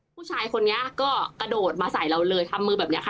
ผู้ชายคนนี้ก็กระโดดมาใส่เราเลยทำมือแบบนี้ค่ะ